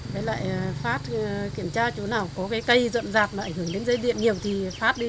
với lại phát kiểm tra chỗ nào có cây rộn rạp ảnh hưởng đến dây điện nhiều thì phát đi